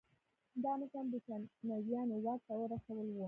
دا مشران برېټانویانو واک ته ورسول وو.